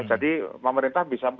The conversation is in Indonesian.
jadi pemerintah bisa